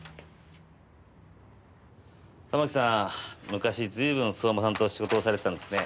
玉木さん昔随分相馬さんと仕事をされてたんですね。